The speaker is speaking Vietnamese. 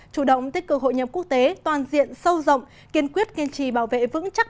chủ động tích cực hội nhập quốc tế toàn diện sâu rộng kiên quyết kiên trì bảo vệ vững chắc